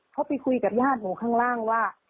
เขาไปคุยกับญาติหนูข้างล่างว่า